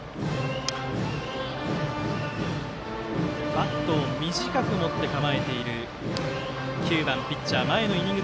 バットを短く持って構えている９番ピッチャー前のイニング